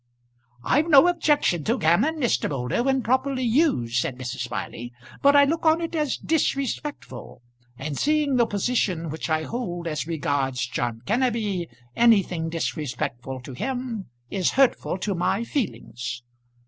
"I've no objection to gammon, Mr. Moulder, when properly used," said Mrs. Smiley, "but I look on it as disrespectful; and seeing the position which I hold as regards John Kenneby, anything disrespectful to him is hurtful to my feelings."